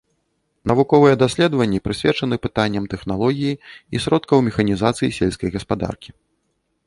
Навуковыя даследаванні прысвечаны пытанням тэхналогіі і сродкаў механізацыі сельскай гаспадаркі.